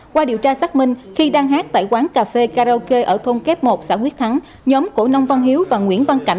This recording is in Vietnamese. qua điều tra xác minh khi đang hát tại quán cà phê karaoke ở thôn kép một xã quyết thắng nhóm cổ nông văn hiếu và nguyễn văn cảnh